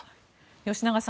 吉永さん